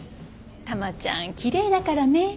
珠ちゃん奇麗だからね。